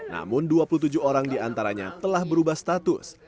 namun dua puluh tujuh orang diantaranya telah berubah status